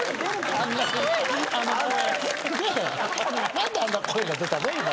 何であんな声が出たの？